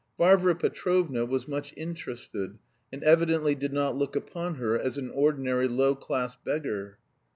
Varvara Petrovna was much interested and evidently did not look upon her as an ordinary low class beggar.